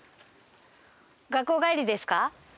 学校帰りですか？